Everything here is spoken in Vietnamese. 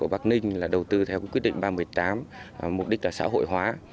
bắc ninh là đầu tư theo quyết định ba mươi tám mục đích là xã hội hóa